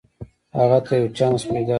هغه ته یو چانس پیداشو